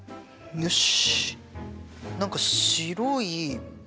よし。